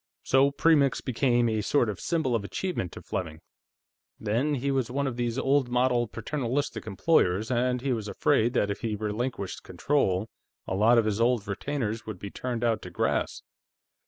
"So Premix became a sort of symbol of achievement to Fleming. Then, he was one of these old model paternalistic employers, and he was afraid that if he relinquished control, a lot of his old retainers would be turned out to grass.